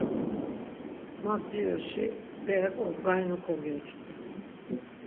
Ma mzirusi berek obgarinu kocoç̌u.